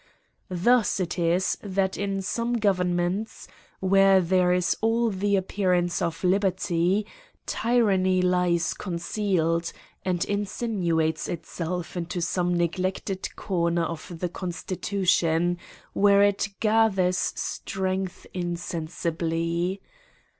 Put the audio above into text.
Thus it is that in some governments, where there is all the appearance of Liberty, tyranny lies concealed, and insinuates it self into some neglected corner of the constitution, where it gathers strength insensibly.